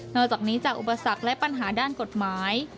จากนี้จากอุปสรรคและปัญหาด้านกฎหมาย